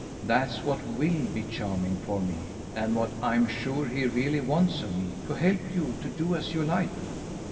"That's what WILL be charming for me, and what I'm sure he really wants of me to help you to do as you like."